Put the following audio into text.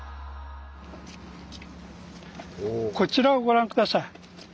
こちらをご覧下さい。